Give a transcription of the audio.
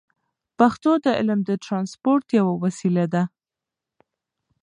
پښتو د علم د ترانسپورت یوه وسیله ده.